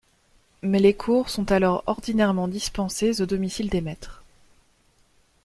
Mais les cours sont alors ordinairement dispensés au domicile des maîtres.